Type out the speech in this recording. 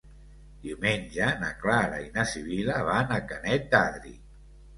Diumenge na Clara i na Sibil·la van a Canet d'Adri.